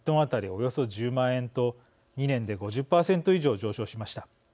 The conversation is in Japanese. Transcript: およそ１０万円と２年で５０％以上、上昇しました。